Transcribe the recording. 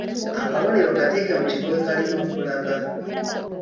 Akabonero kateeke mu kifo we kalina okulaga.